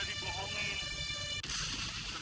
tidak tidak tidak